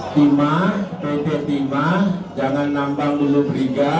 timah pt timah jangan nambang bulu beriga